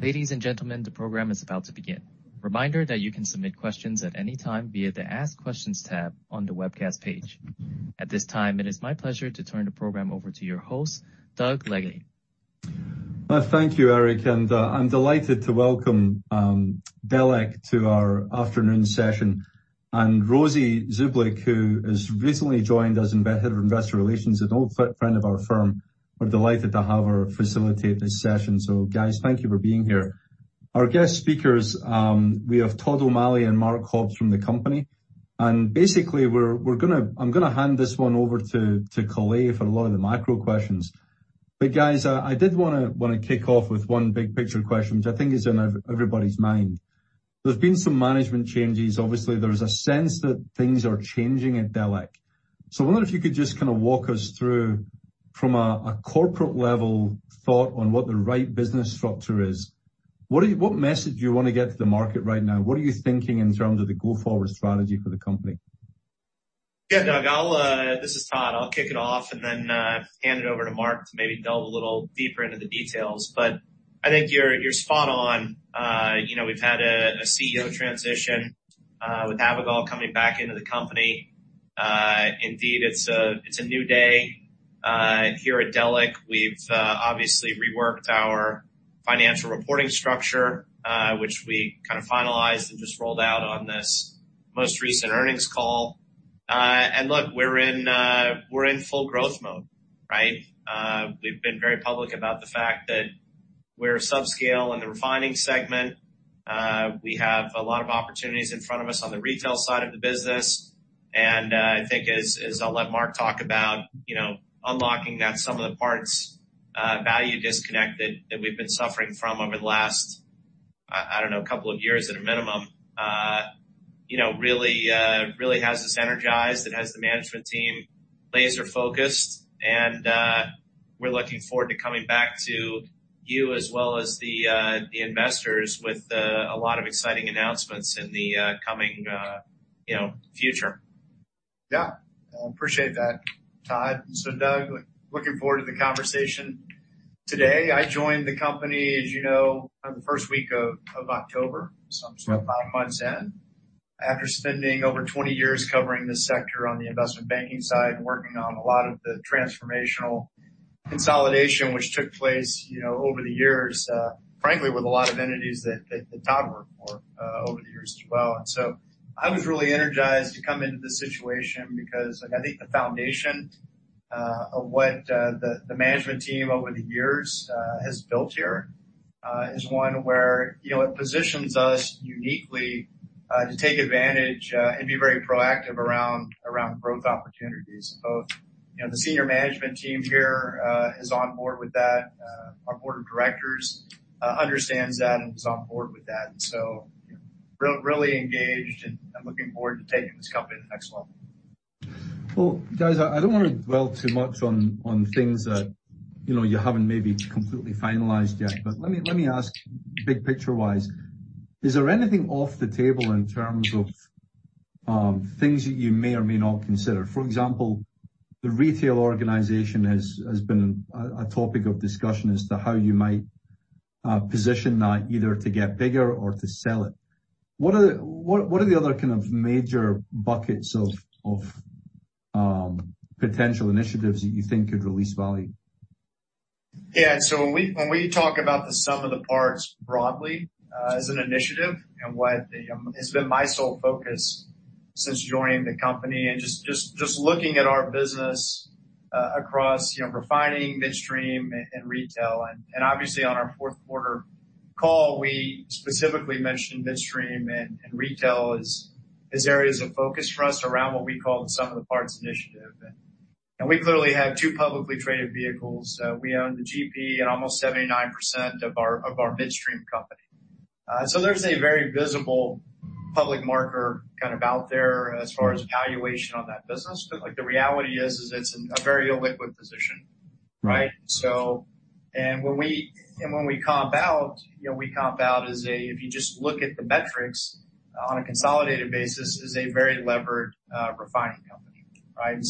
Ladies and gentlemen, the program is about to begin. Reminder that you can submit questions at any time via the Ask Questions tab on the webcast page. At this time, it is my pleasure to turn the program over to your host, Doug Leggate. Thank you, Eric, I'm delighted to welcome Delek to our afternoon session. Rosy Zuklic, who has recently joined as Investor Relations, an old friend of our firm. We're delighted to have her facilitate this session. Guys, thank you for being here. Our guest speakers, we have Todd O'Malley and Mark Hobbs from the company. Basically, I'm gonna hand this one over to Khalid for a lot of the micro questions. Guys, I did wanna kick off with one big picture question, which I think is on everybody's mind. There's been some management changes. There is a sense that things are changing at Delek. I wonder if you could just kind a walk us through from a corporate level thought on what the right business structure is. What message do you wanna get to the market right now? What are you thinking in terms of the go-forward strategy for the company? Yeah, Doug. This is Todd. I'll kick it off and then hand it over to Mark to maybe delve a little deeper into the details. I think you're spot on. You know, we've had a CEO transition with Avigal coming back into the company. Indeed, it's a new day here at Delek. We've obviously reworked our financial reporting structure, which we kind of finalized and just rolled out on this most recent earnings call. Look, we're in full growth mode, right? We've been very public about the fact that we're subscale in the refining segment. We have a lot of opportunities in front of us on the retail side of the business. I think as I'll let Mark talk about, you know, unlocking that sum of the parts value disconnect that we've been suffering from over the last, I don't know, couple of years at a minimum. You know, really has us energized, it has the management team laser-focused, and we're looking forward to coming back to you as well as the investors with a lot of exciting announcements in the coming, you know, future. Yeah. I appreciate that, Todd. Doug, looking forward to the conversation today. I joined the company, as you know, the first week of October. Yeah. I'm just about five months in. After spending over 20 years covering this sector on the investment banking side, working on a lot of the transformational consolidation which took place, you know, over the years, frankly, with a lot of entities that Todd worked for, over the years as well. I was really energized to come into this situation because I think the foundation of what the management team over the years has built here is one where, you know, it positions us uniquely to take advantage and be very proactive around growth opportunities. Both, you know, the senior management team here is on board with that. Our board of directors understands that and is on board with that. Really engaged and looking forward to taking this company to the next level. Well, guys, I don't wanna dwell too much on things that, you know, you haven't maybe completely finalized yet. Let me ask big picture-wise. Is there anything off the table in terms of things that you may or may not consider? For example, the retail organization has been a topic of discussion as to how you might position that either to get bigger or to sell it. What are the other kind of major buckets of potential initiatives that you think could release value? Yeah. When we talk about the sum of the parts broadly, as an initiative and what has been my sole focus since joining the company and just looking at our business, across, you know, refining, midstream, and retail. Obviously on our fourth quarter call, we specifically mentioned midstream and retail as areas of focus for us around what we call the sum of the parts initiative. We clearly have two publicly traded vehicles. We own the GP and almost 79% of our midstream company. There's a very visible public marker kind of out there as far as valuation on that business. Like the reality is it's in a very illiquid position, right? Right. When we comp out, you know, we comp out. If you just look at the metrics on a consolidated basis, is a very levered refining company, right?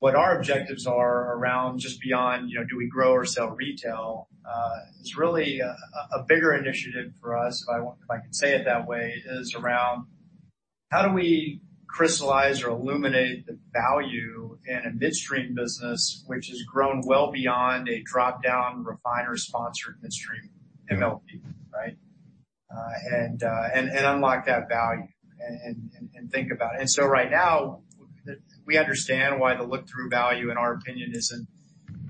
What our objectives are around just beyond, you know, do we grow or sell retail, is really a bigger initiative for us, if I can say it that way, is around how do we crystallize or illuminate the value in a midstream business which has grown well beyond a drop-down refiner-sponsored midstream MLP, right? Unlock that value and think about it. Right now, we understand why the look-through value, in our opinion, isn't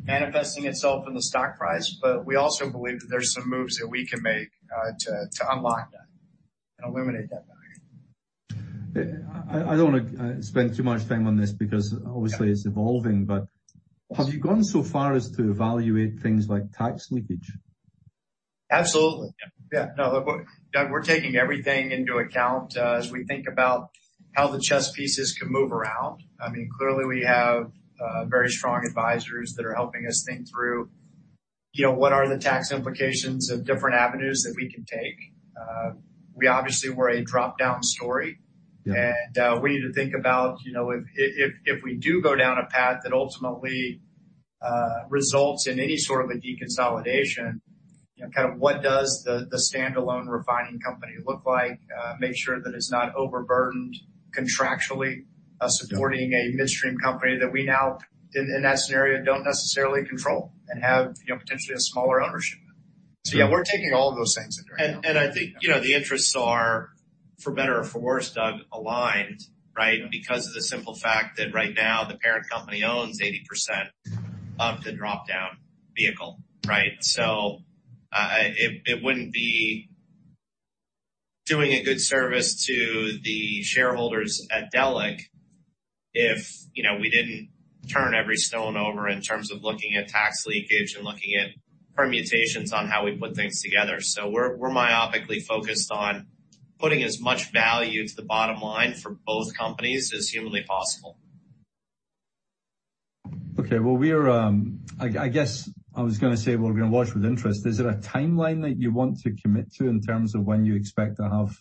manifesting itself in the stock price. We also believe that there's some moves that we can make, to unlock that and illuminate that value. I don't wanna spend too much time on this because obviously it's evolving. Have you gone so far as to evaluate things like tax leakage? Absolutely. Yeah. No, look, Doug, we're taking everything into account, as we think about how the chess pieces can move around. I mean, clearly, we have, very strong advisors that are helping us think through, you know, what are the tax implications of different avenues that we can take. We obviously were a drop-down story. We need to think about, you know, if we do go down a path that ultimately results in any sort of a deconsolidation, you know, kind of what does the standalone refining company look like? Make sure that it's not overburdened contractually. Yeah. Supporting a midstream company that we now, in that scenario, don't necessarily control and have, you know, potentially a smaller ownership. Yeah, we're taking all of those things into account. I think, you know, the interests are, for better or for worse, Doug, aligned, right? Because of the simple fact that right now the parent company owns 80% of the drop-down vehicle, right? It wouldn't be doing a good service to the shareholders at Delek if, you know, we didn't turn every stone over in terms of looking at tax leakage and looking at permutations on how we put things together. We're myopically focused on putting as much value to the bottom line for both companies as humanly possible. Okay. Well, we're I guess I was gonna say, well, we're gonna watch with interest. Is there a timeline that you want to commit to in terms of when you expect to have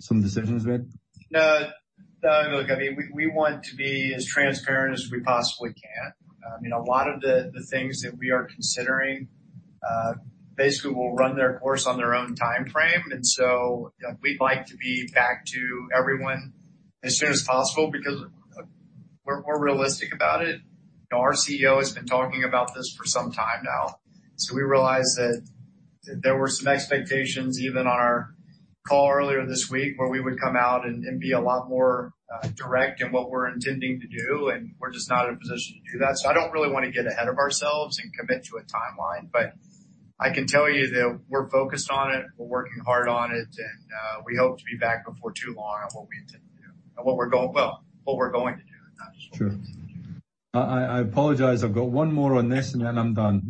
some decisions made? No. No, look, I mean, we want to be as transparent as we possibly can. You know, a lot of the things that we are considering, basically will run their course on their own timeframe. We'd like to be back to everyone as soon as possible because we're realistic about it. You know, our CEO has been talking about this for some time now, so we realize that there were some expectations, even on our call earlier this week, where we would come out and be a lot more, direct in what we're intending to do, and we're just not in a position to do that. I don't really wanna get ahead of ourselves and commit to a timeline, but I can tell you that we're focused on it, we're working hard on it, and we hope to be back before too long on what we intend to do. Well, what we're going to do, not just what we intend to do. Sure. I apologize. I've got one more on this, and then I'm done.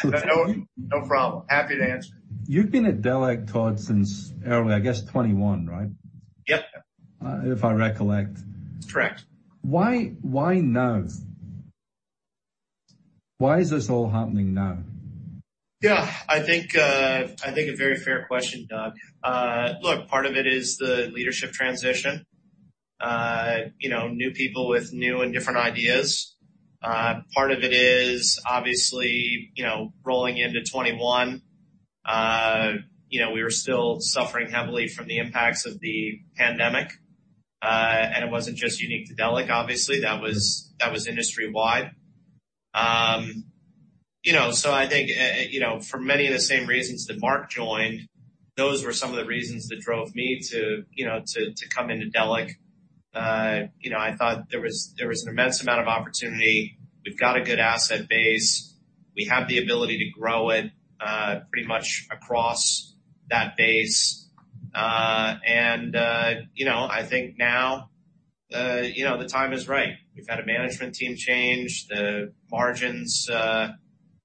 No, no problem. Happy to answer. You've been at Delek, Todd, since early, I guess 2021, right? Yes. If I recollect. Correct. Why now? Why is this all happening now? I think a very fair question, Doug Leggate. Look, part of it is the leadership transition. You know, new people with new and different ideas. Part of it is obviously, you know, rolling into 2021, you know, we were still suffering heavily from the impacts of the pandemic. It wasn't just unique to Delek, obviously, that was industry-wide. You know, I think, you know, for many of the same reasons that Mark joined, those were some of the reasons that drove me to, you know, to come into Delek. You know, I thought there was an immense amount of opportunity. We've got a good asset base. We have the ability to grow it, pretty much across that base. You know, I think now, you know, the time is right. We've had a management team change. The margins,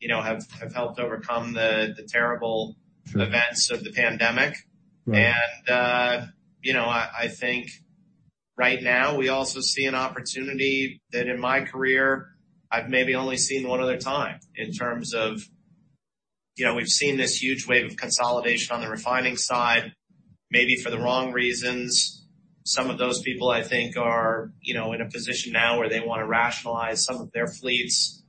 you know, have helped overcome the terrible. Sure. Events of the pandemic. Right. You know, I think right now we also see an opportunity that in my career I've maybe only seen one other time in terms of. You know, we've seen this huge wave of consolidation on the refining side, maybe for the wrong reasons. Some of those people I think are, you know, in a position now where they wanna rationalize some of their fleets.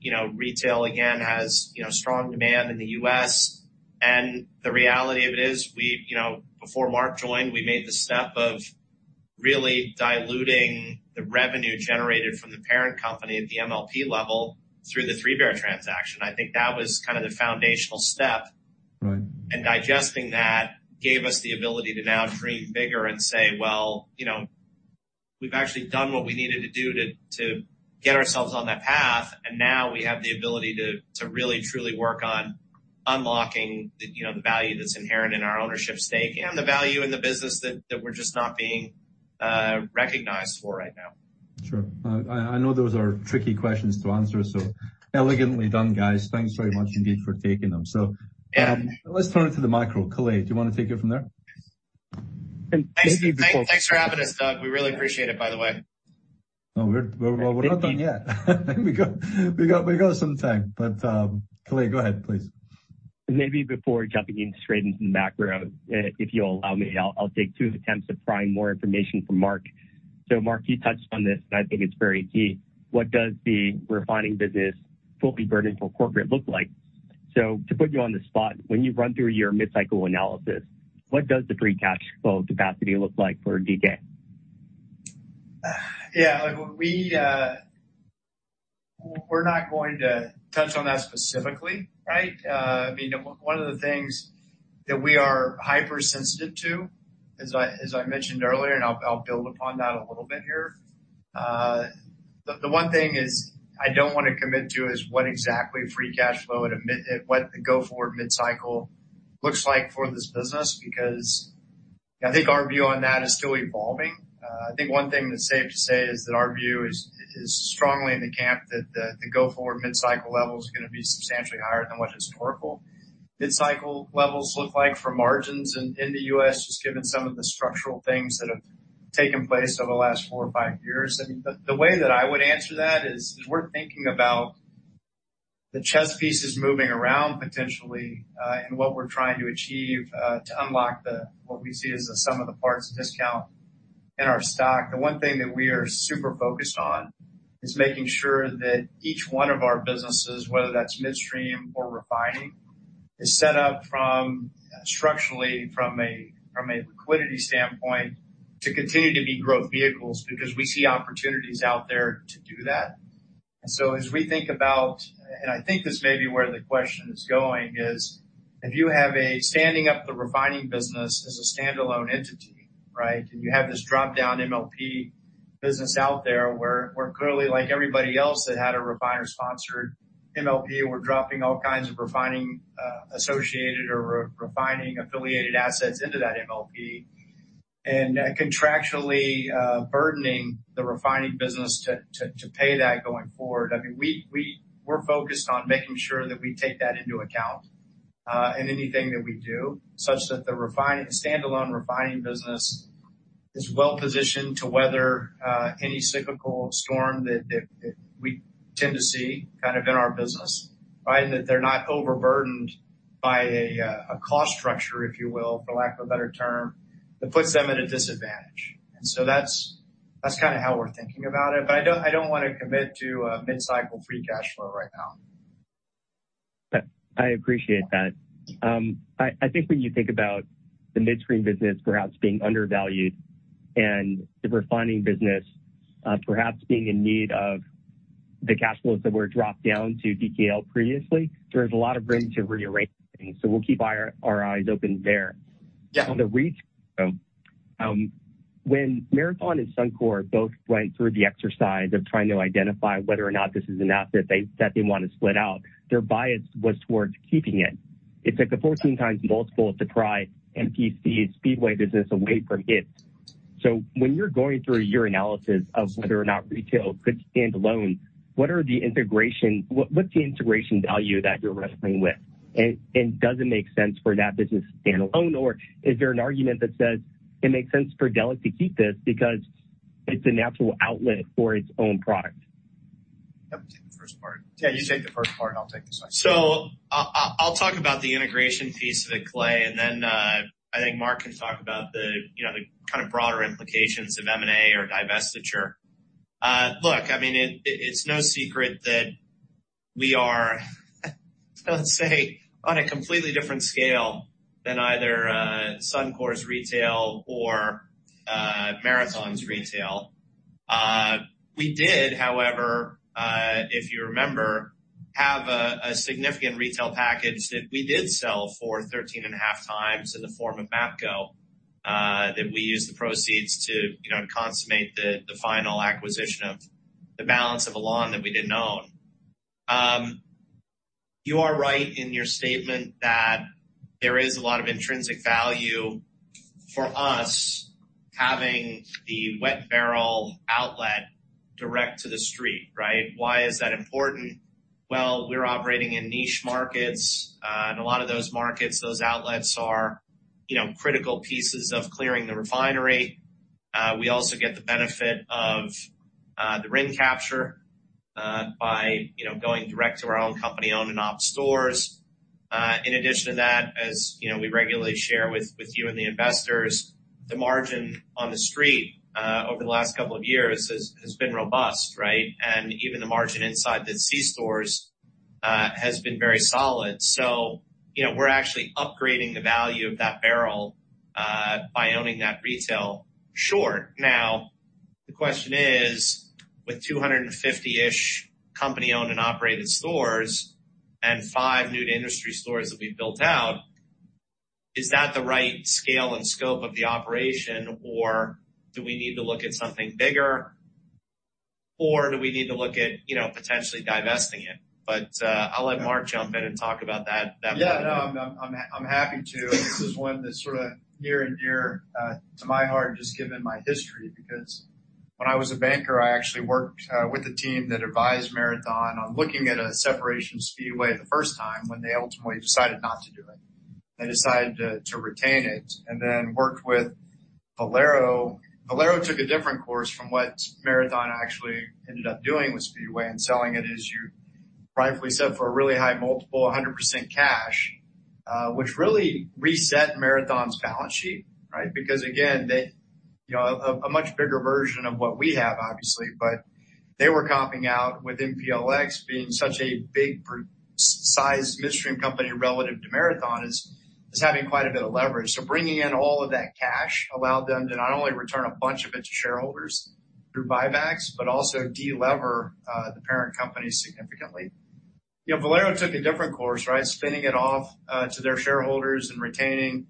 You know, retail again has, you know, strong demand in the U.S. The reality of it is you know, before Mark joined, we made the step of really diluting the revenue generated from the parent company at the MLP level through the Three Bear transaction. I think that was kind of the foundational step. Right. Digesting that gave us the ability to now dream bigger and say, "Well, you know, we've actually done what we needed to do to get ourselves on that path, and now we have the ability to really truly work on unlocking the, you know, the value that's inherent in our ownership stake and the value in the business that we're just not being recognized for right now. Sure. I know those are tricky questions to answer, elegantly done, guys. Thanks very much indeed for taking them. Yeah. Let's turn to the micro. Khalid, do you wanna take it from there? Maybe before- Thanks for having us, Doug. We really appreciate it, by the way. No, Well, we're not done yet. We got some time. Khalid, go ahead, please. Maybe before jumping in straight into the macro, if you'll allow me, I'll take two attempts at prying more information from Mark. Mark, you touched on this, and I think it's very key. What does the refining business fully burdened for corporate look like? To put you on the spot, when you run through your mid-cycle analysis, what does the free cash flow capacity look like for DK? Yeah. Look, we're not going to touch on that specifically, right? I mean, one of the things that we are hypersensitive to, as I mentioned earlier, and I'll build upon that a little bit here. The one thing is I don't want to commit to is what exactly free cash flow at what the go-forward mid-cycle looks like for this business because I think our view on that is still evolving. I think one thing that's safe to say is that our view is strongly in the camp that the go-forward mid-cycle level is gonna be substantially higher than what's historical. Mid-cycle levels look like for margins in the U.S., just given some of the structural things that have taken place over the last four or five years. I mean, the way that I would answer that is we're thinking about. The chess piece is moving around potentially in what we're trying to achieve to unlock the what we see as the sum of the parts discount in our stock. The one thing that we are super focused on is making sure that each one of our businesses, whether that's midstream or refining, is set up structurally from a liquidity standpoint to continue to be growth vehicles because we see opportunities out there to do that. As we think about, and I think this may be where the question is going, is if you have a standing up the refining business as a standalone entity, right? You have this drop-down MLP business out there where we're clearly like everybody else that had a refiner-sponsored MLP. We're dropping all kinds of refining, associated or re-refining affiliated assets into that MLP and contractually burdening the refining business to pay that going forward. I mean, we're focused on making sure that we take that into account in anything that we do, such that the standalone refining business is well positioned to weather any cyclical storm that we tend to see kind of in our business, right? They're not overburdened by a cost structure, if you will, for lack of a better term, that puts them at a disadvantage. That's kinda how we're thinking about it. I don't wanna commit to a mid-cycle free cash flow right now. I appreciate that. I think when you think about the midstream business perhaps being undervalued and the refining business, perhaps being in need of the cash flows that were dropped down to DKL previously, there's a lot of room to rearrange things. We'll keep our eyes open there. Yeah. On the retail, when Marathon and Suncor both went through the exercise of trying to identify whether or not this is an asset that they want to split out, their bias was towards keeping it. It took a 14x multiple to pry MPC Speedway business away from it. When you're going through your analysis of whether or not retail could stand alone, what's the integration value that you're wrestling with? Does it make sense for that business to stand alone, or is there an argument that says it makes sense for Delek to keep this because it's a natural outlet for its own product? You take the first part. Yeah, you take the first part, I'll take the second. I'll talk about the integration piece of it, Clay, and then, I think Mark can talk about the, you know, the kind of broader implications of M&A or divestiture. Look, I mean, it's no secret that we are, let's say, on a completely different scale than either, Suncor's retail or, Marathon's retail. We did, however, if you remember, have a significant retail package that we did sell for thirteen and a half times in the form of MAPCO, that we used the proceeds to, you know, consummate the final acquisition of the balance of Alon that we didn't own. You are right in your statement that there is a lot of intrinsic value for us having the wet barrel outlet direct to the street, right? Why is that important? We're operating in niche markets, and a lot of those markets, those outlets are, you know, critical pieces of clearing the refinery. We also get the benefit of the RIN capture, by, you know, going direct to our own company-owned and op stores. In addition to that, as, you know, we regularly share with you and the investors, the margin on the street, over the last couple of years has been robust, right? Even the margin inside the C stores, has been very solid. We're actually upgrading the value of that barrel, by owning that retail. Sure. The question is, with 250-ish company-owned and operated stores and 5 new to industry stores that we've built out, is that the right scale and scope of the operation, or do we need to look at something bigger, or do we need to look at, you know, potentially divesting it? I'll let Mark jump in and talk about that. Yeah. No, I'm happy to. This is one that's sort of near and dear to my heart, just given my history. When I was a banker, I actually worked with a team that advised Marathon on looking at a separation Speedway the first time when they ultimately decided not to do it. They decided to retain it and then worked with Valero. Valero took a different course from what Marathon actually ended up doing with Speedway and selling it, as you rightfully said, for a really high multiple, 100% cash, which really reset Marathon's balance sheet, right? Again, they, you know, a much bigger version of what we have, obviously, but they were copping out with MPLX being such a big sized midstream company relative to Marathon is having quite a bit of leverage. Bringing in all of that cash allowed them to not only return a bunch of it to shareholders through buybacks but also de-lever the parent company significantly. You know, Valero took a different course, right? Spinning it off to their shareholders and retaining,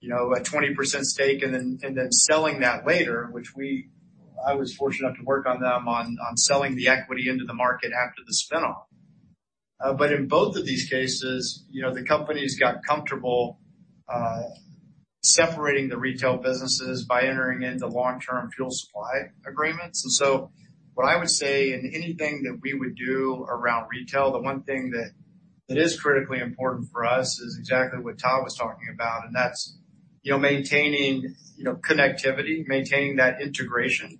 you know, a 20% stake and then selling that later, which I was fortunate enough to work on them on selling the equity into the market after the spin-off. In both of these cases, you know, the companies got comfortable separating the retail businesses by entering into long-term fuel supply agreements. What I would say in anything that we would do around retail, the one thing that is critically important for us is exactly what Todd was talking about, and that's, you know, maintaining, you know, connectivity, maintaining that integration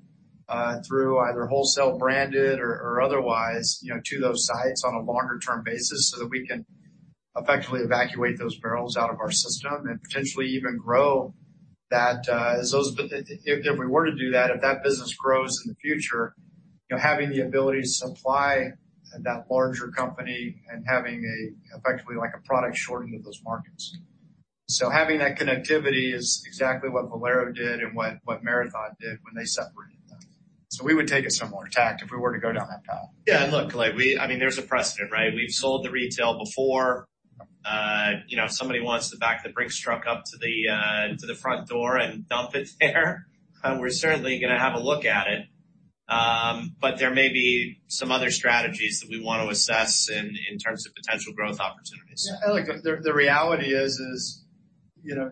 through either wholesale branded or otherwise, you know, to those sites on a longer term basis so that we can effectively evacuate those barrels out of our system and potentially even grow that, as those if we were to do that, if that business grows in the future, you know, having the ability to supply that larger company and having effectively like a product shortening of those markets. Having that connectivity is exactly what Valero did and what Marathon did when they separated them. We would take a similar tact if we were to go down that path. Yeah, look, Clay, I mean, there's a precedent, right? We've sold the retail before. You know, if somebody wants to back the brick truck up to the front door and dump it there, we're certainly gonna have a look at it. There may be some other strategies that we want to assess in terms of potential growth opportunities. Look, the reality is, you know,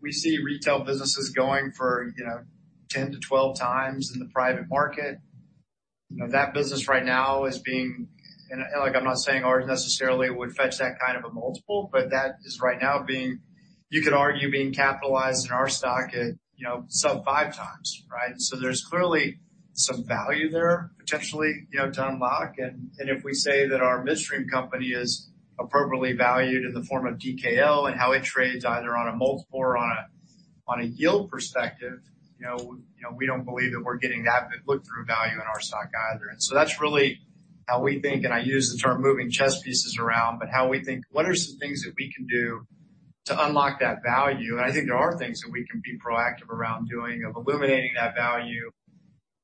we see retail businesses going for, you know, 10-12x in the private market. You know, that business right now. Like I'm not saying ours necessarily would fetch that kind of a multiple, but that is right now being, you could argue being capitalized in our stock at, you know, sub 5x, right? There's clearly some value there, potentially, you know, to unlock. If we say that our midstream company is appropriately valued in the form of DKL and how it trades either on a multiple or on a yield perspective, you know, we don't believe that we're getting that good look through value in our stock either. That's really how we think, and I use the term moving chess pieces around, but how we think what are some things that we can do to unlock that value? I think there are things that we can be proactive around doing of illuminating that value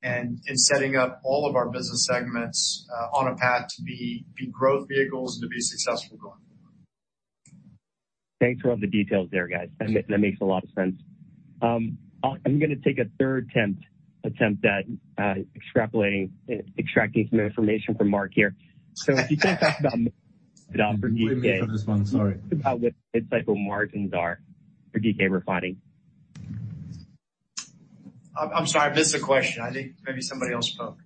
and setting up all of our business segments on a path to be growth vehicles and to be successful going forward. Thanks for all the details there, guys. That makes a lot of sense. I'm gonna take a 3rd attempt at extrapolating, extracting some information from Mark here. If you can talk about for DK. Wait for this one. Sorry. About what mid-cycle margins are for DK Refining. I'm sorry, I missed the question. I think maybe somebody else spoke.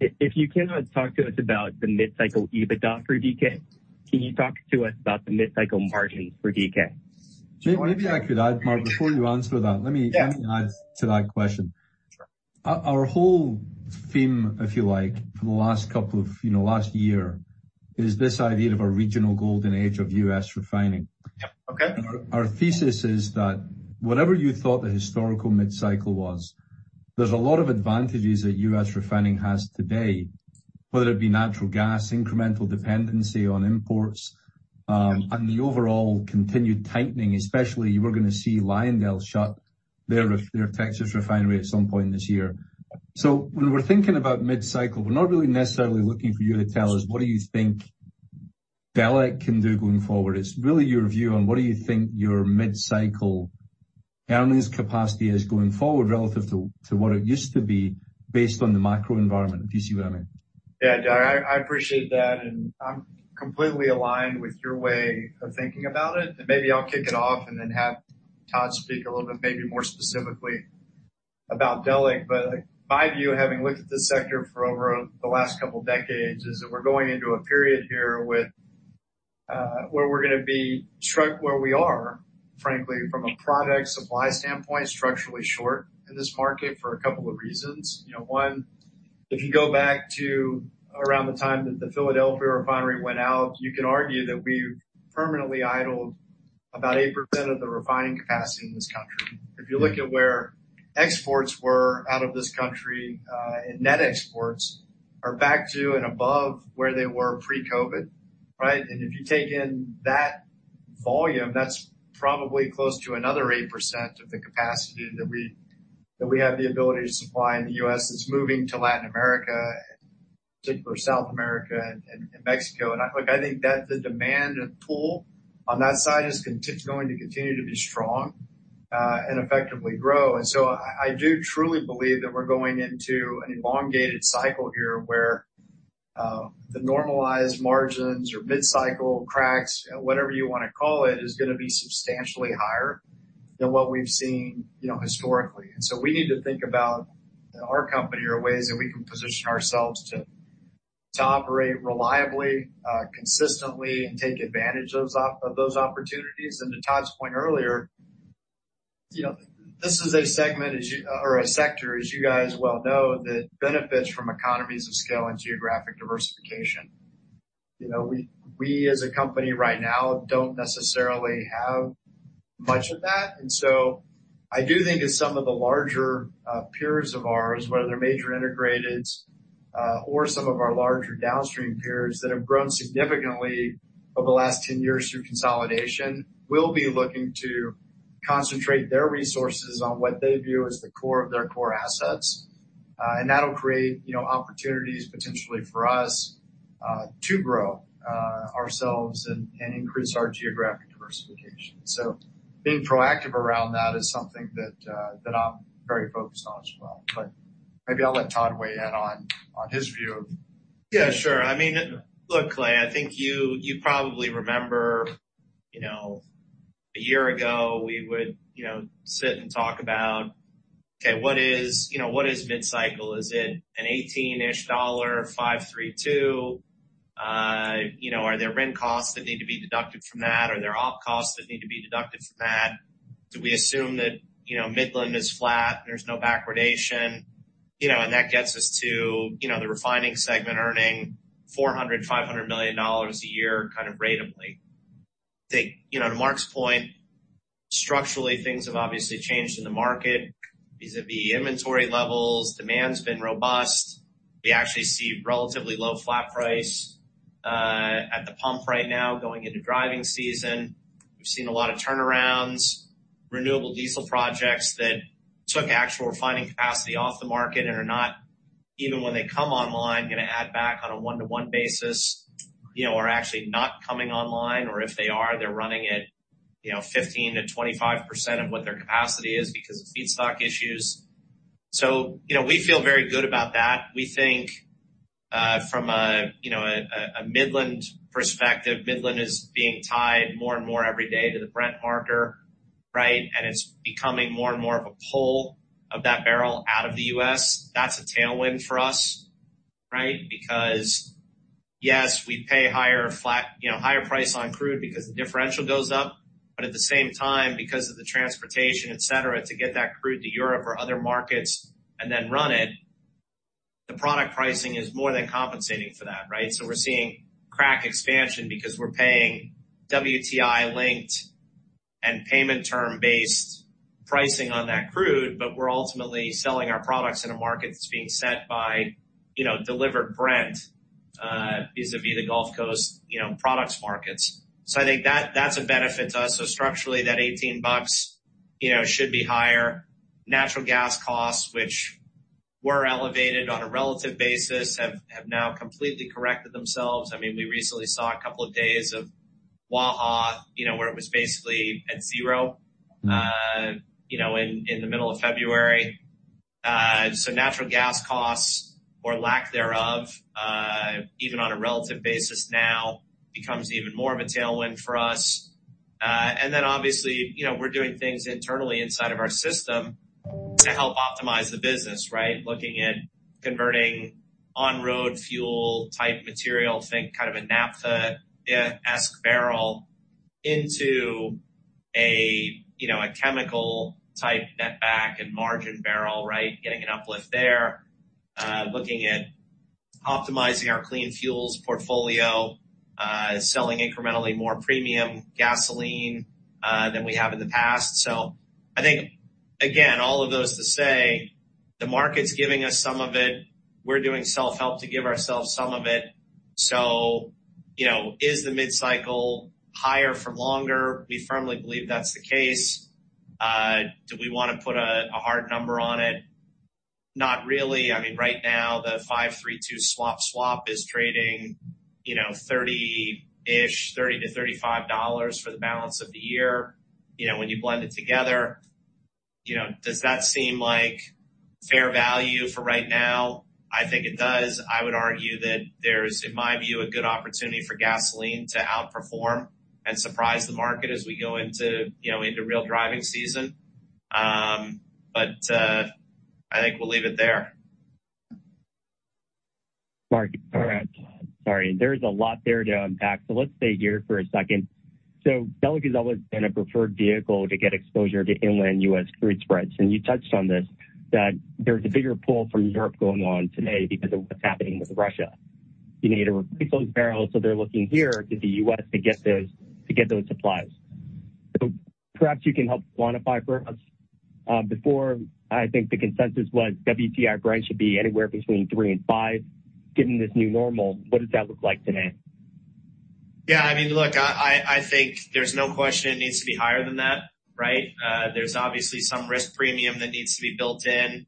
If you cannot talk to us about the mid-cycle EBITDA for DK, can you talk to us about the mid-cycle margins for DK? Maybe I could add, Mark, before you answer that. Yeah. Let me add to that question. Sure. Our whole theme, if you like, for the last couple of, you know, last year, is this idea of a regional golden age of U.S. refining. Yep. Okay. Our thesis is that whatever you thought the historical mid-cycle was, there's a lot of advantages that U.S. refining has today, whether it be natural gas, incremental dependency on imports, and the overall continued tightening, especially we're gonna see LyondellBasell shut their Texas refinery at some point this year. When we're thinking about mid-cycle, we're not really necessarily looking for you to tell us what do you think Delek can do going forward. It's really your view on what do you think your mid-cycle earnings capacity is going forward relative to what it used to be based on the macro environment, if you see what I mean. Yeah, I appreciate that, and I'm completely aligned with your way of thinking about it. Maybe I'll kick it off and then have Todd speak a little bit, maybe more specifically about Delek. My view, having looked at this sector for over the last couple of decades, is that we're going into a period here with where we are, frankly, from a product supply standpoint, structurally short in this market for a couple of reasons. You know, one, if you go back to around the time that the Philadelphia refinery went out, you can argue that we've permanently idled about 8% of the refining capacity in this country. If you look at where exports were out of this country, and net exports are back to and above where they were pre-COVID, right? If you take in that volume, that's probably close to another 8% of the capacity that we have the ability to supply in the U.S. that's moving to Latin America, in particular South America and Mexico. Look, I think that the demand and pull on that side is going to continue to be strong and effectively grow. I do truly believe that we're going into an elongated cycle here where the normalized margins or mid-cycle cracks, whatever you wanna call it, is gonna be substantially higher than what we've seen, you know, historically. We need to think about our company or ways that we can position ourselves to operate reliably, consistently and take advantage of those opportunities. To Todd's point earlier, you know, this is a segment or a sector, as you guys well know, that benefits from economies of scale and geographic diversification. You know, we as a company right now don't necessarily have much of that. I do think as some of the larger peers of ours, whether they're major integrateds, or some of our larger downstream peers that have grown significantly over the last 10 years through consolidation, will be looking to concentrate their resources on what they view as the core of their core assets. That'll create, you know, opportunities potentially for us to grow ourselves and increase our geographic diversification. Being proactive around that is something that I'm very focused on as well. Maybe I'll let Todd weigh in on his view. Yeah, sure. I mean, look, Clay, I think you probably remember, you know, a year ago, we would, you know, sit and talk about. Okay, what is, you know, what is mid-cycle? Is it an $18-ish five-three-two? You know, are there RIN costs that need to be deducted from that? Are there op costs that need to be deducted from that? Do we assume that, you know, Midland is flat, there's no backwardation, you know, and that gets us to, you know, the refining segment earning $400 million-$500 million a year kind of ratably. I think, you know, to Mark's point, structurally, things have obviously changed in the market, vis-à-vis inventory levels, demand's been robust. We actually see relatively low flat price at the pump right now going into driving season. We've seen a lot of turnarounds, renewable diesel projects that took actual refining capacity off the market and are not, even when they come online, gonna add back on a one-to-one basis, you know, are actually not coming online or if they are, they're running at, you know, 15%-25% of what their capacity is because of feedstock issues. you know, we feel very good about that. We think, from a, you know, a Midland perspective, Midland is being tied more and more every day to the Brent marker, right? it's becoming more and more of a pull of that barrel out of the U.S. That's a tailwind for us, right? yes, we pay higher flat, you know, higher price on crude because the differential goes up. At the same time, because of the transportation, et cetera, to get that crude to Europe or other markets and then run it, the product pricing is more than compensating for that, right? We're seeing crack expansion because we're paying WTI-linked and payment term-based pricing on that crude, but we're ultimately selling our products in a market that's being set by, you know, delivered Brent vis-à-vis the Gulf Coast, you know, products markets. I think that's a benefit to us. Structurally, that $18, you know, should be higher. Natural gas costs, which were elevated on a relative basis, have now completely corrected themselves. I mean, we recently saw a couple of days of Waha, you know, where it was basically at zero. Mm. you know, in the middle of February. Natural gas costs or lack thereof, even on a relative basis now becomes even more of a tailwind for us. Obviously, you know, we're doing things internally inside of our system to help optimize the business, right? Looking at converting on-road fuel type material, think kind of a naphtha-esque barrel into a, you know, a chemical type net back and margin barrel, right? Getting an uplift there. Looking at optimizing our clean fuels portfolio, selling incrementally more premium gasoline, than we have in the past. I think, again, all of those to say the market's giving us some of it. We're doing self-help to give ourselves some of it. You know, is the mid-cycle higher for longer? We firmly believe that's the case. Do we wanna put a hard number on it? Not really. I mean, right now, the five-three-two swap is trading, you know, 30-ish, $30-$35 for the balance of the year. You know, when you blend it together, you know, does that seem like fair value for right now? I think it does. I would argue that there's, in my view, a good opportunity for gasoline to outperform and surprise the market as we go into, you know, into real driving season. I think we'll leave it there. Mark. All right. Sorry. There's a lot there to unpack, let's stay here for a second. Delek has always been a preferred vehicle to get exposure to inland U.S. crude spreads. You touched on this, that there's a bigger pull from Europe going on today because of what's happening with Russia. You need to replace those barrels, they're looking here to the U.S. to get those supplies. Perhaps you can help quantify for us. Before I think the consensus was WTI Brent should be anywhere between $3 and $5. Given this new normal, what does that look like today? Yeah, I mean, look, I think there's no question it needs to be higher than that, right? There's obviously some risk premium that needs to be built in.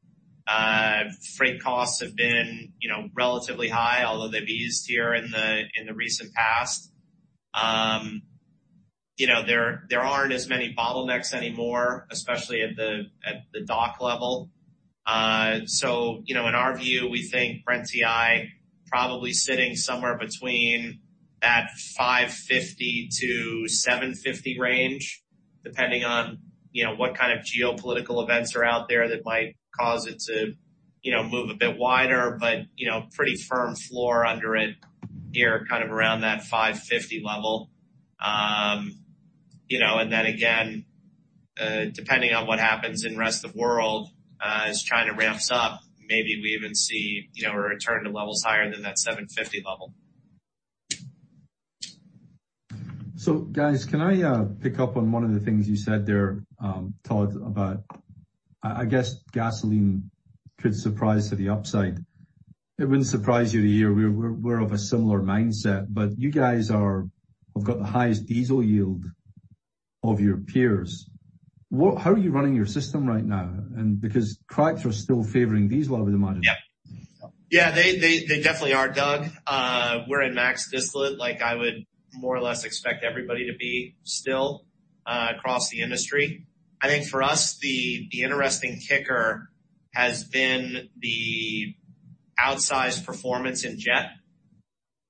Freight costs have been, you know, relatively high, although they've eased here in the recent past. You know, there aren't as many bottlenecks anymore, especially at the dock level. You know, in our view, we think Brent-WTI probably sitting somewhere between that $550-$750 range, depending on, you know, what kind of geopolitical events are out there that might cause it to, you know, move a bit wider. You know, pretty firm floor under it here, kind of around that $550 level. you know, again, depending on what happens in rest of world, as China ramps up, maybe we even see, you know, a return to levels higher than that $7.50 level. Guys, can I pick up on one of the things you said there, Todd, about I guess gasoline could surprise to the upside? It wouldn't surprise you to hear we're of a similar mindset, but you guys Have got the highest diesel yield of your peers. How are you running your system right now? Because cracks are still favoring diesel over the margin. Yeah. They definitely are, Doug. We're in max distillate, like I would more or less expect everybody to be still across the industry. I think for us, the interesting kicker has been the outsized performance in jet.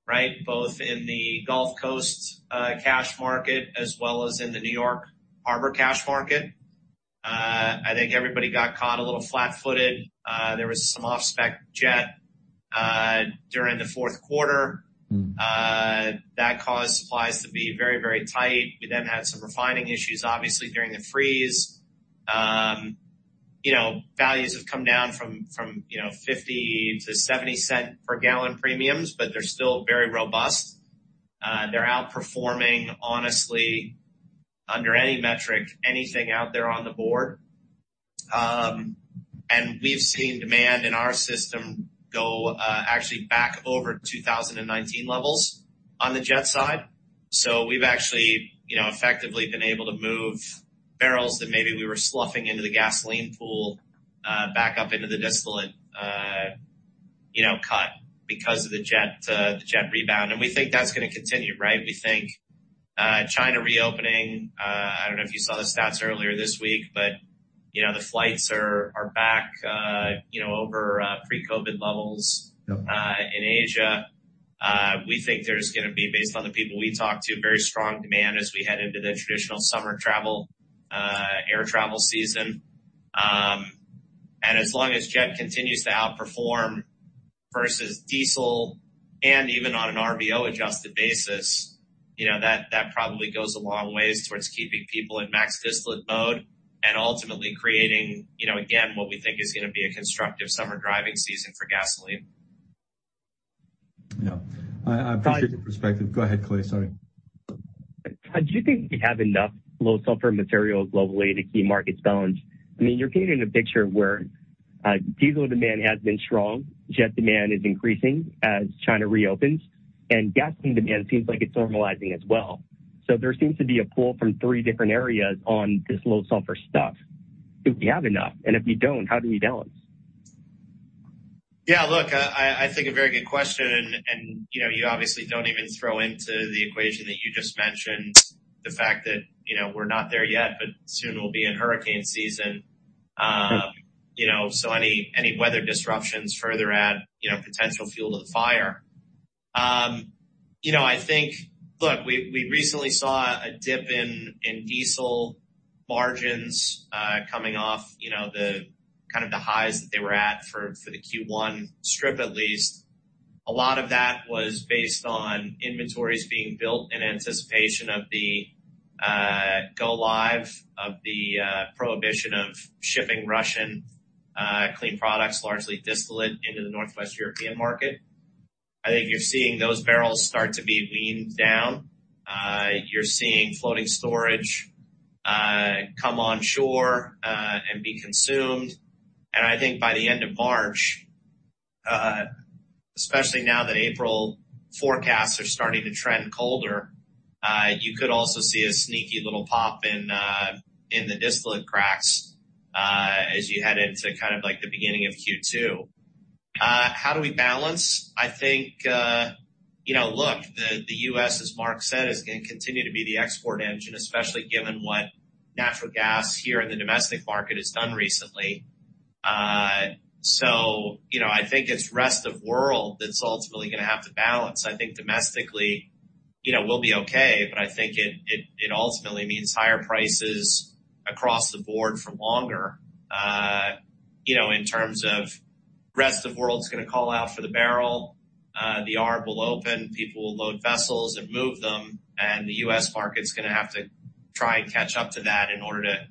Right? Both in the Gulf Coast cash market as well as in the New York Harbor cash market. I think everybody got caught a little flat-footed. There was some off-spec jet during the fourth quarter. Mm. that caused supplies to be very, very tight. We then had some refining issues, obviously, during the freeze. you know, values have come down from, you know, $0.50-$0.70 per gallon premiums, but they're still very robust. they're outperforming, honestly, under any metric, anything out there on the board. We've seen demand in our system go, actually back over 2019 levels on the jet side. We've actually, you know, effectively been able to move barrels that maybe we were sloughing into the gasoline pool, back up into the distillate, you know, cut because of the jet, the jet rebound. We think that's gonna continue, right? We think China reopening, I don't know if you saw the stats earlier this week, but, you know, the flights are back, you know, over pre-COVID levels. Yep. In Asia. We think there's gonna be, based on the people we talked to, very strong demand as we head into the traditional summer travel, air travel season. As long as jet continues to outperform versus diesel, and even on an RVO adjusted basis, you know, that probably goes a long way towards keeping people in max distillate mode and ultimately creating, you know, again, what we think is gonna be a constructive summer driving season for gasoline. Yeah. I appreciate. Uh- The perspective. Go ahead, Clay. Sorry. Do you think we have enough low sulfur materials globally to keep markets balanced? I mean, you're painting a picture where, diesel demand has been strong, jet demand is increasing as China reopens, and gasoline demand seems like it's normalizing as well. There seems to be a pull from three different areas on this low sulfur stuff. Do we have enough? If we don't, how do we balance? Yeah, look, I think a very good question. You know, you obviously don't even throw into the equation that you just mentioned the fact that, you know, we're not there yet, but soon we'll be in hurricane season. You know, any weather disruptions further add, you know, potential fuel to the fire. You know, we recently saw a dip in diesel margins coming off, you know, the kind of the highs that they were at for the Q1 strip, at least. A lot of that was based on inventories being built in anticipation of the go live of the prohibition of shipping Russian clean products, largely distillate, into the Northwest European market. I think you're seeing those barrels start to be weaned down. You're seeing floating storage come onshore and be consumed. I think by the end of March, especially now that April forecasts are starting to trend colder, you could also see a sneaky little pop in the distillate cracks as you head into kind of like the beginning of Q2. How do we balance? I think, you know, look, the U.S., as Mark said, is gonna continue to be the export engine, especially given what natural gas here in the domestic market has done recently. You know, I think it's rest of world that's ultimately gonna have to balance. I think domestically, you know, we'll be okay, but I think it, it ultimately means higher prices across the board for longer, you know, in terms of rest of world's gonna call out for the barrel. The arb will open, people will load vessels and move them, and the U.S. market's gonna have to try and catch up to that in order to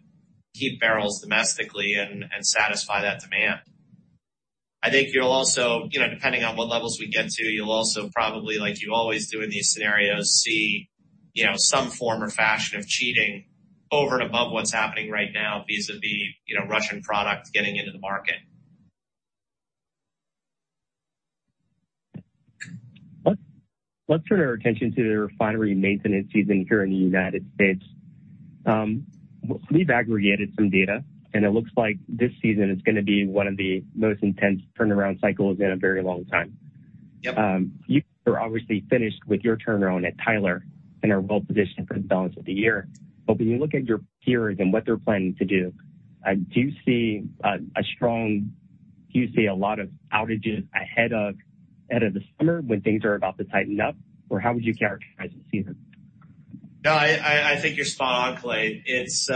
keep barrels domestically and satisfy that demand. I think you'll also, you know, depending on what levels we get to, you'll also probably, like you always do in these scenarios, see, you know, some form or fashion of cheating over and above what's happening right now vis-à-vis, you know, Russian products getting into the market. Let's turn our attention to the refinery maintenance season here in the United States. We've aggregated some data, it looks like this season is gonna be one of the most intense turnaround cycles in a very long time. Yep. You are obviously finished with your turnaround at Tyler and are well positioned for the balance of the year. When you look at your peers and what they're planning to do you see a lot of outages ahead of the summer when things are about to tighten up? Or how would you characterize the season? No, I think you're spot on, Clay. It's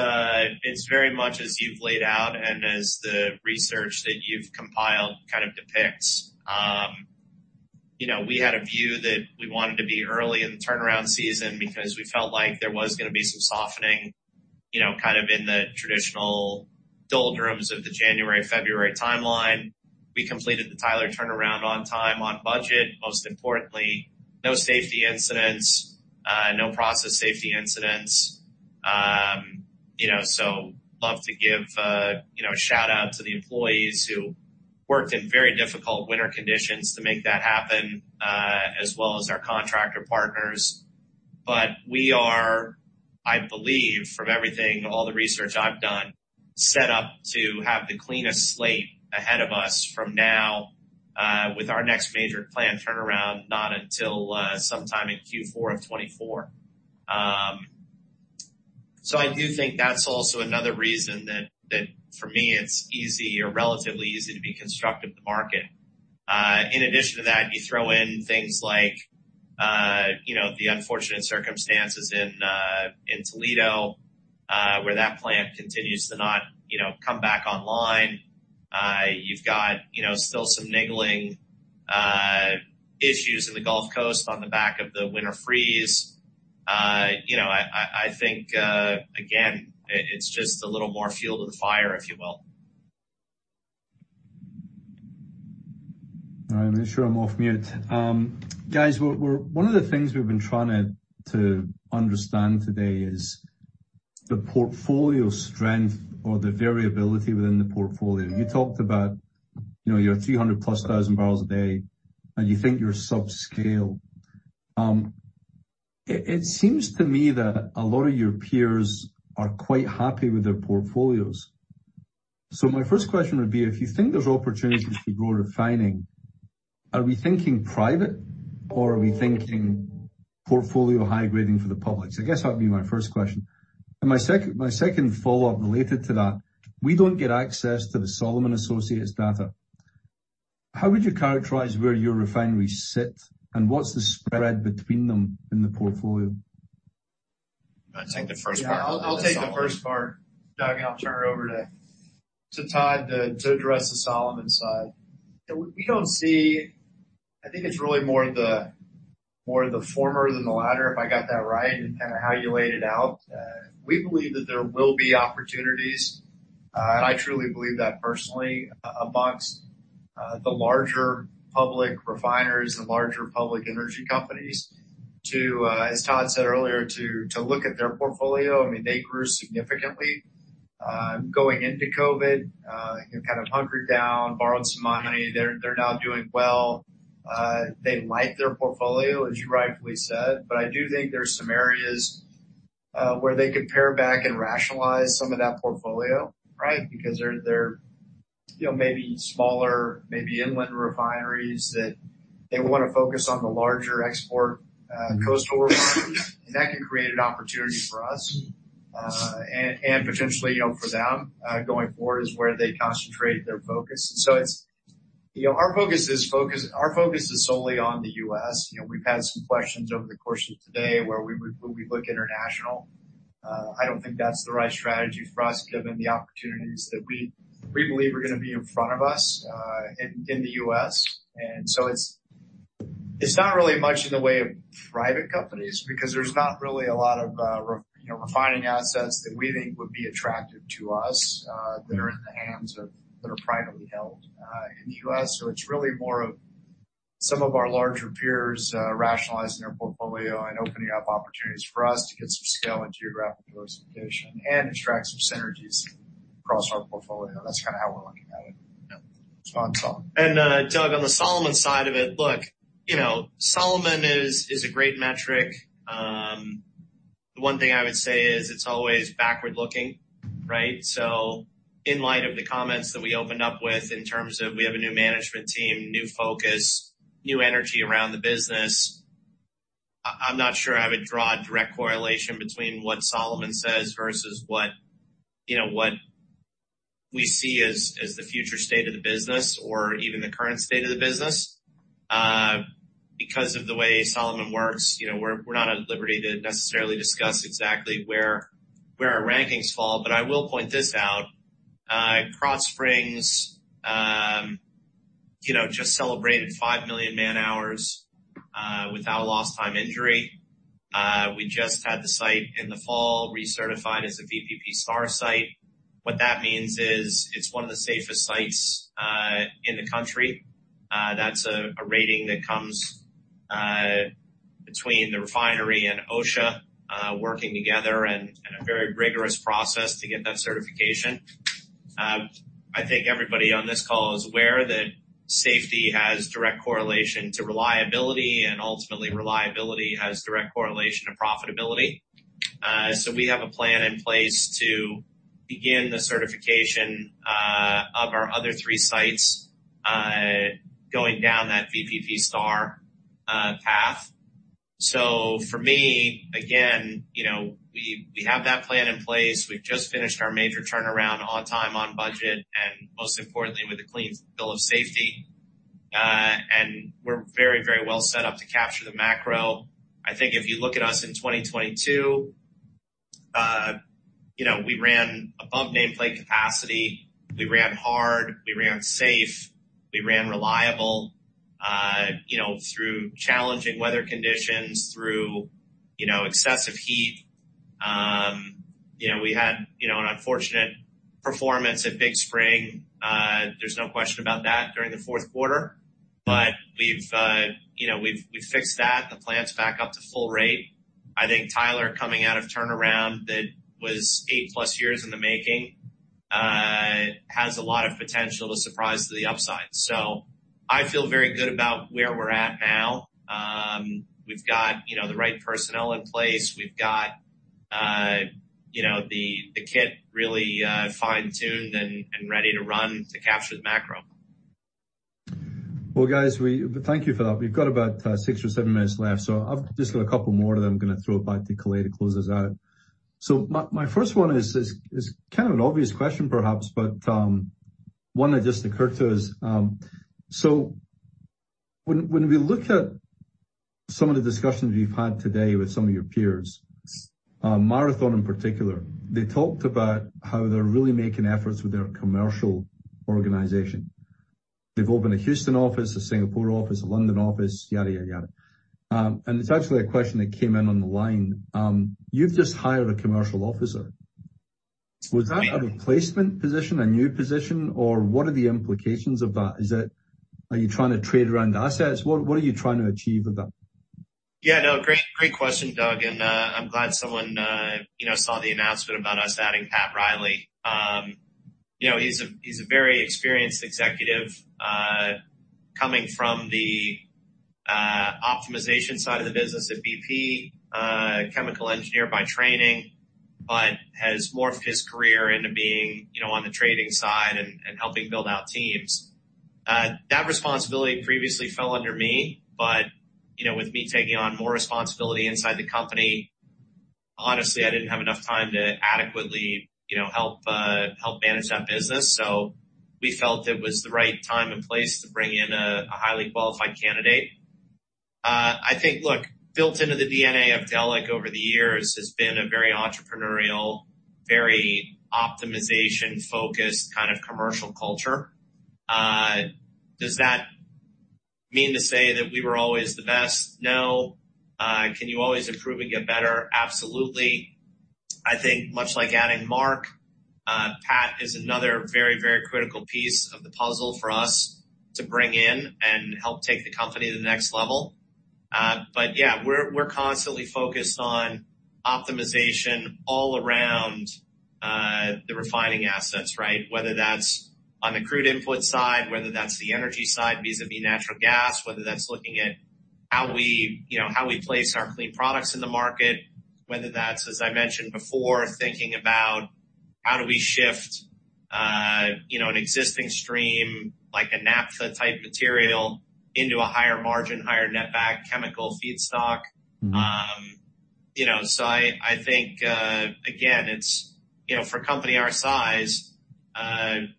very much as you've laid out and as the research that you've compiled kind of depicts. You know, we had a view that we wanted to be early in the turnaround season because we felt like there was gonna be some softening, you know, kind of in the traditional doldrums of the January-February timeline. We completed the Tyler turnaround on time, on budget. Most importantly, no safety incidents, no process safety incidents. You know, so love to give, you know, a shout-out to the employees who worked in very difficult winter conditions to make that happen, as well as our contractor partners. We are, I believe, from everything, all the research I've done, set up to have the cleanest slate ahead of us from now, with our next major planned turnaround, not until sometime in Q4 of 2024. I do think that's also another reason that for me, it's easy or relatively easy to be constructive to market. In addition to that, you throw in things like, you know, the unfortunate circumstances in Toledo, where that plant continues to not, you know, come back online. You've got, you know, still some niggling issues in the Gulf Coast on the back of the winter freeze. You know, I think, again, it's just a little more fuel to the fire, if you will. All right, make sure I'm off mute. Guys, we're one of the things we've been trying to understand today is the portfolio strength or the variability within the portfolio. You talked about, you know, your 300 plus thousand barrels a day, and you think you're subscale. It seems to me that a lot of your peers are quite happy with their portfolios. My first question would be, if you think there's opportunities to grow refining, are we thinking private or are we thinking portfolio high grading for the public? I guess that'd be my first question. My second follow-up related to that, we don't get access to the Solomon Associates data. How would you characterize where your refineries sit, and what's the spread between them in the portfolio? I'll take the first part. Yeah. I'll take the first part, Doug Leggate, and I'll turn it over to Todd O'Malley to address the Solomon side. I think it's really more the former than the latter, if I got that right in kind of how you laid it out. We believe that there will be opportunities, and I truly believe that personally, amongst the larger public refiners and larger public energy companies to, as Todd O'Malley said earlier, to look at their portfolio. I mean, they grew significantly, going into COVID. You know, kind of hunkered down, borrowed some money. They're now doing well. They like their portfolio, as you rightfully said, but I do think there's some areas where they could pare back and rationalize some of that portfolio. Right. They're, you know, maybe smaller, maybe inland refineries that they want to focus on the larger export, coastal refineries. That can create an opportunity for us, and potentially, you know, for them, going forward, is where they concentrate their focus. You know, our focus is solely on the U.S.. You know, we've had some questions over the course of today where would we look international. I don't think that's the right strategy for us, given the opportunities that we believe are gonna be in front of us, in the US. It's, it's not really much in the way of private companies because there's not really a lot of, you know, refining assets that we think would be attractive to us, that are privately held, in the U.S. It's really more of some of our larger peers, rationalizing their portfolio and opening up opportunities for us to get some scale and geographic diversification and extract some synergies across our portfolio. That's kinda how we're looking at it. Yeah. It's on, Todd. Doug, on the Solomon side of it, look, you know, Solomon is a great metric. One thing I would say is it's always backward-looking, right? In light of the comments that we opened up with in terms of we have a new management team, new focus, new energy around the business, I'm not sure I would draw a direct correlation between what Solomon says versus what, you know, what we see as the future state of the business or even the current state of the business. Because of the way Solomon works, you know, we're not at liberty to necessarily discuss exactly where our rankings fall. I will point this out. Krotz Springs, you know, just celebrated 5 million man-hours without a lost time injury. We just had the site in the fall recertified as a VPP Star site. What that means is it's one of the safest sites in the country. That's a rating that comes between the refinery and OSHA working together and a very rigorous process to get that certification. I think everybody on this call is aware that safety has direct correlation to reliability, and ultimately, reliability has direct correlation to profitability. We have a plan in place to begin the certification of our other three sites going down that VPP Star path. For me, again, you know, we have that plan in place. We've just finished our major turnaround on time, on budget, and most importantly, with a clean bill of safety. And we're very, very well set up to capture the macro. I think if you look at us in 2022, you know, we ran above nameplate capacity. We ran hard, we ran safe, we ran reliable, you know, through challenging weather conditions, through, you know, excessive heat. You know, we had, you know, an unfortunate performance at Big Spring, there's no question about that, during the fourth quarter. We've, you know, we've fixed that. The plant's back up to full rate. I think Tyler coming out of turnaround that was 8+ years in the making, has a lot of potential to surprise to the upside. I feel very good about where we're at now. We've got, you know, the right personnel in place. We've got, you know, the kit really, fine-tuned and ready to run to capture the macro. Well, guys, thank you for that. We've got about six or seven minutes left, so I've just got a couple more that I'm gonna throw back to Khalid to close us out. My first one is kind of an obvious question perhaps, but one that just occurred to us. When we look at some of the discussions we've had today with some of your peers, Marathon in particular, they talked about how they're really making efforts with their commercial organization. They've opened a Houston office, a Singapore office, a London office, yada, yada. And it's actually a question that came in on the line. You've just hired a commercial officer. Was that a replacement position, a new position, or what are the implications of that? Are you trying to trade around assets? What are you trying to achieve with that? Yeah. No. Great, great question, Doug, and I'm glad someone, you know, saw the announcement about us adding Patrick Reilly. You know, he's a, he's a very experienced executive, coming from the optimization side of the business at BP. Chemical engineer by training, but has morphed his career into being, you know, on the trading side and helping build out teams. That responsibility previously fell under me, but, you know, with me taking on more responsibility inside the company, honestly, I didn't have enough time to adequately, you know, help manage that business. We felt it was the right time and place to bring in a highly qualified candidate. I think, look, built into the DNA of Delek over the years has been a very entrepreneurial, very optimization-focused kind of commercial culture. Does that mean to say that we were always the best? No. Can you always improve and get better? Absolutely. I think much like adding Mark, Pat is another very, very critical piece of the puzzle for us to bring in and help take the company to the next level. Yeah, we're constantly focused on optimization all around the refining assets, right? Whether that's on the crude input side, whether that's the energy side, vis-à-vis natural gas. Whether that's looking at how we, you know, how we place our clean products in the market. Whether that's, as I mentioned before, thinking about how do we shift, you know, an existing stream like a naphtha type material into a higher margin, higher net back chemical feedstock. Mm-hmm. You know, so I think, again, it's, you know, for a company our size,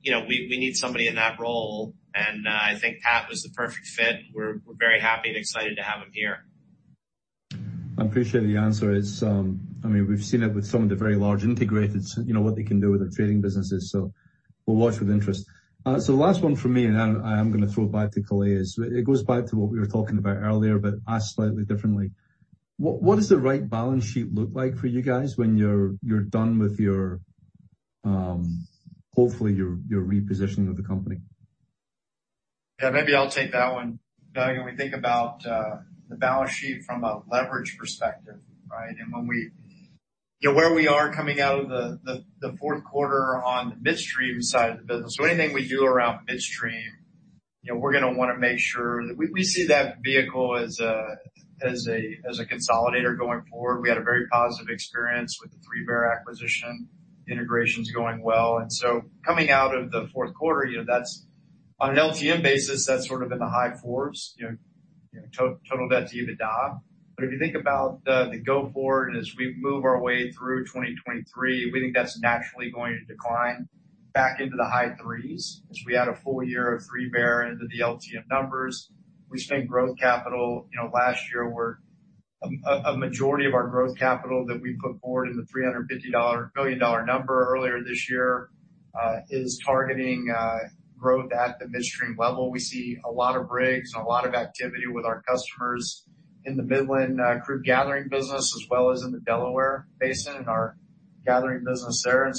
you know, we need somebody in that role, and, I think Pat was the perfect fit. We're very happy and excited to have him here. I appreciate the answer. It's, I mean, we've seen it with some of the very large integrated, you know, what they can do with their trading businesses, so we'll watch with interest. The last one from me, and then I am gonna throw it back to Khalid, is it goes back to what we were talking about earlier, but asked slightly differently. What does the right balance sheet look like for you guys when you're done with your, hopefully your repositioning of the company? Maybe I'll take that one, Doug. When we think about the balance sheet from a leverage perspective, right? You know, where we are coming out of the fourth quarter on the midstream side of the business or anything we do around midstream, you know, we're gonna wanna make sure. We see that vehicle as a consolidator going forward. We had a very positive experience with the 3Bear acquisition. Integration's going well. Coming out of the fourth quarter, you know, that's on an LTM basis, that's sort of in the high fours, you know, total debt to EBITDA. If you think about the go forward as we move our way through 2023, we think that's naturally going to decline back into the high threes as we add a full year of 3Bear into the LTM numbers. We spent growth capital, you know, last year, where a majority of our growth capital that we put forward in the $350 billion number earlier this year, is targeting growth at the midstream level. We see a lot of rigs and a lot of activity with our customers in the Midland crude gathering business as well as in the Delaware basin and our gathering business there.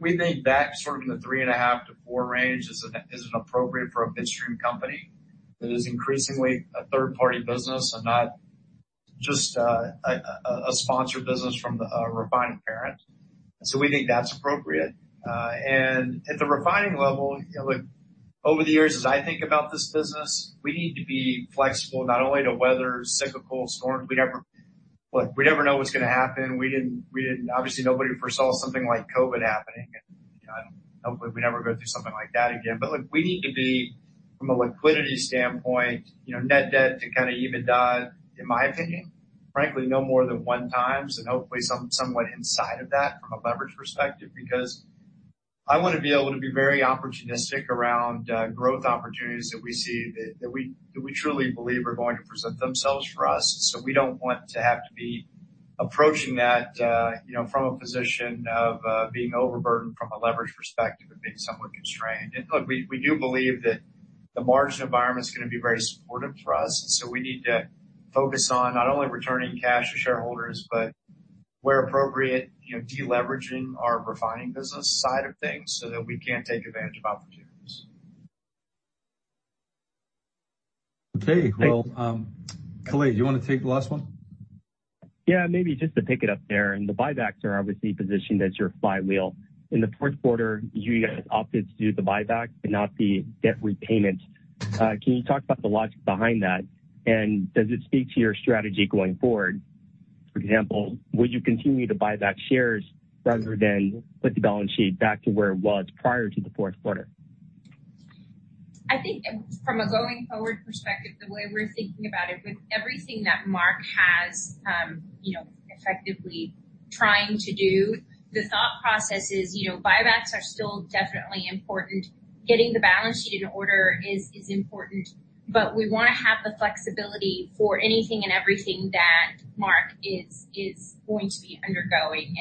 We think that sort of in the 3.5-4 range is appropriate for a midstream company that is increasingly a third-party business and not just a sponsored business from the refined parent. We think that's appropriate. At the refining level, you know, over the years as I think about this business, we need to be flexible not only to weather cyclical storms. Look, we never know what's gonna happen. Obviously, nobody foresaw something like COVID happening. You know, I hope we never go through something like that again. Look, we need to be from a liquidity standpoint, you know, net debt to kind of EBITDA, in my opinion, frankly, no more than 1x and hopefully somewhat inside of that from a leverage perspective. Because I wanna be able to be very opportunistic around growth opportunities that we see that we truly believe are going to present themselves for us. We don't want to have to be approaching that, you know, from a position of being overburdened from a leverage perspective and being somewhat constrained. Look, we do believe that the margin environment is gonna be very supportive for us, so we need to focus on not only returning cash to shareholders, but where appropriate, you know, de-leveraging our refining business side of things so that we can take advantage of opportunities. Okay. Well, Khalid, do you wanna take the last one? Yeah, maybe just to pick it up there. The buybacks are obviously positioned as your flywheel. In the fourth quarter, you guys opted to do the buyback but not the debt repayment. Can you talk about the logic behind that, and does it speak to your strategy going forward? For example, would you continue to buy back shares rather than put the balance sheet back to where it was prior to the fourth quarter? I think from a going forward perspective, the way we're thinking about it, with everything that Mark has, you know, effectively trying to do, the thought process is, you know, buybacks are still definitely important. Getting the balance sheet in order is important, but we wanna have the flexibility for anything and everything that Mark is going to be undergoing.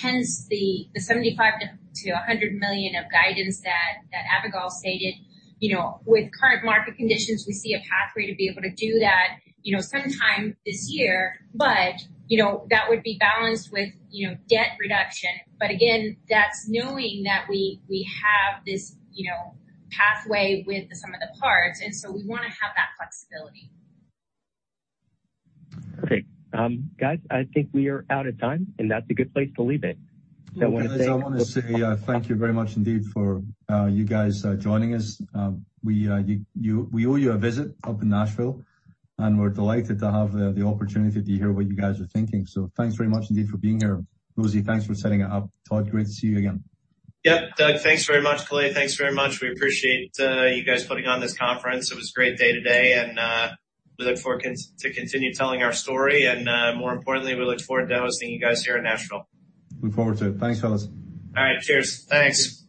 Hence the $75 million-$100 million of guidance that Abigail stated. You know, with current market conditions, we see a pathway to be able to do that, you know, sometime this year. That would be balanced with, you know, debt reduction. Again, that's knowing that we have this, you know, pathway with the sum of the parts, we wanna have that flexibility. Okay. guys, I think we are out of time, and that's a good place to leave it. I wanna say... I wanna say, thank you very much indeed for, you guys, joining us. We, we owe you a visit up in Nashville, and we're delighted to have the opportunity to hear what you guys are thinking. Thanks very much indeed for being here. Lucy, thanks for setting it up. Todd, great to see you again. Doug, thanks very much. Khalid, thanks very much. We appreciate you guys putting on this conference. It was a great day today, and we look forward to continue telling our story, and more importantly, we look forward to hosting you guys here in Nashville. Look forward to it. Thanks, fellas. All right. Cheers. Thanks.